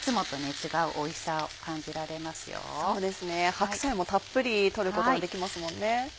そうですね白菜もたっぷり取ることができますもんね。